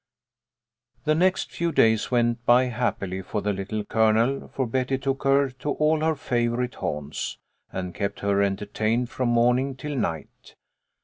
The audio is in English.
THE next few days went by happily for the Little Colonel, for Betty took her to all her favourite haunts, and kept her entertained from morning till night.